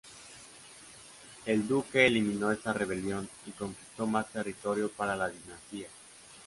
El duque eliminó esta rebelión y conquistó más territorio para la dinastía.